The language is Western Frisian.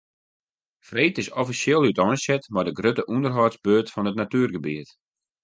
Freed is offisjeel úteinset mei de grutte ûnderhâldsbeurt fan it natuergebiet.